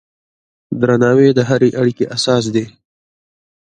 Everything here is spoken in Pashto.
درناوی د هرې اړیکې اساس دی.